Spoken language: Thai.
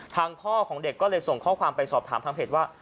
พ่อของเด็กก็เลยส่งข้อความไปสอบถามทางเพจว่า